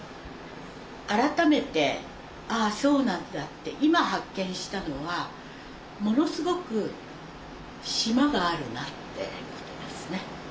改めて「ああそうなんだ」って今発見したのはものすごくしまがあるなってことですね。